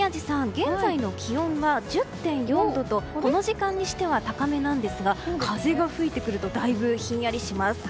現在の気温は１０．４度とこの時間にしては高めなんですが風が吹いてくるとだいぶひんやりします。